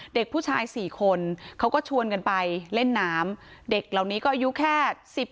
เด็กผู้ชาย๔คนเขาก็ชวนกันไปเล่นน้ำเด็กเหล่านี้ก็อายุแค่สิบ